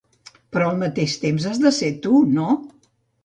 Però al mateix temps has de ser tu, no?